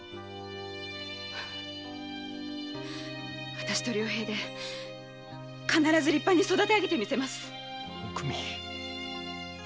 わたしと良平で必ず立派に育てあげてみせますおくみ。